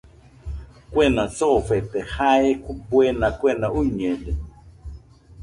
Kuena soofete jae buena kuena uiñede